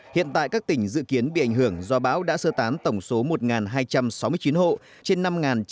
hiện tại các tỉnh dự kiến bị ảnh hưởng do bão đã sơ tán tổng số một hai trăm sáu mươi chín hộ trên năm chín trăm ba mươi chín